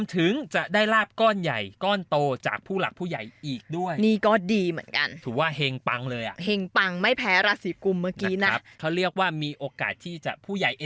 เตรียมไม่โสดต่อไปแล้วจ้า